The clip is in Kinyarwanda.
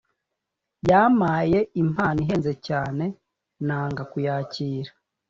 Yamaye impano ihenze cyane nanga kuyakira